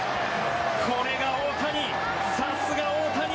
これが大谷、さすが大谷。